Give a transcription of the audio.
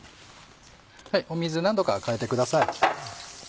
水何度か替えてください。